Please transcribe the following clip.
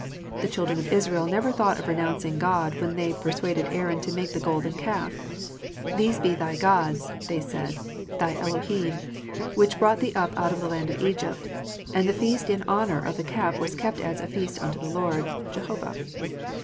The children of Israel never thought of renouncing God when they persuaded Aaron to make the golden calf. "These be thy gods," they said (thy Eloliim), "which brought thee up out of the land of Egypt." And the feast in honour of the calf was kept as " a feast unto the Lord " (Jehovah).